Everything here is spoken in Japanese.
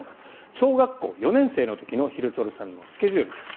小学校４年生の時の廣津留さんのスケジュール。